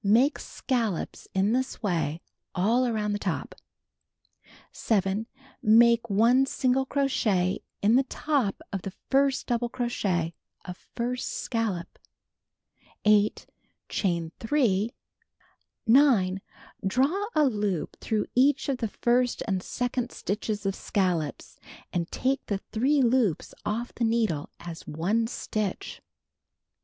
Make scallops in this way all around the top. 7. Make 1 single crochet in the top of the first double crochet of first scallop. 8. Chain 3. 9. Draw a loop through each of the first and second stitches of scallops, and take the 3 loops off the needle as one stitch.